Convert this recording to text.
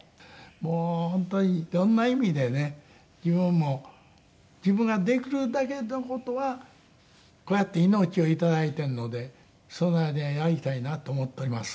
もう本当に色んな意味でね自分も自分ができるだけの事はこうやって命を頂いているのでその間にやりたいなと思っております。